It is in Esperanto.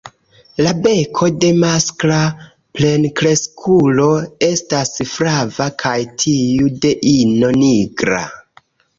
La beko de maskla plenkreskulo estas flava kaj tiu de ino nigra.